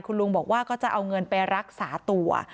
คุณลุงบอกว่าก็จะเอาเงินไปรักษาตัว